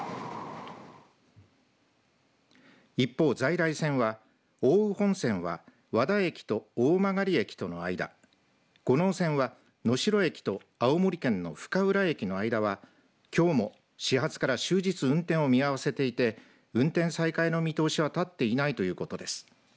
一方、在来線は奥羽本線は和田駅と大曲駅との間五能線は能代駅と青森県の深浦駅の間はきょうも始発から終日運転を見合わせていて運転再開の見通しは立っていないということです。